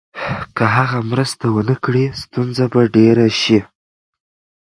که هغه مرسته ونکړي، ستونزه به ډېره شي.